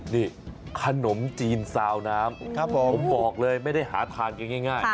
นี่ขนมจีนซาวน้ำผมบอกเลยไม่ได้หาทานกันง่าย